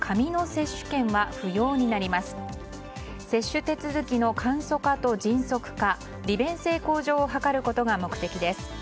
接種手続きの簡素化と迅速化利便性向上を図ることが目的です。